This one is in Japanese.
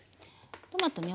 トマトね